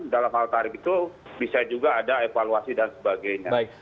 dalam hal tarif itu bisa juga ada evaluasi dan sebagainya